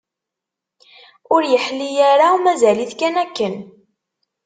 Ur yeḥli ara, mazal-it kan akken.